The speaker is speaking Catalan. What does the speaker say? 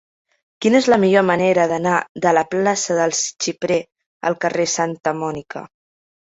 Quina és la millor manera d'anar de la plaça del Xiprer al carrer de Santa Mònica?